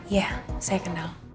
ya saya kenal